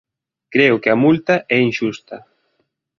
Creo que a multa é inxusta.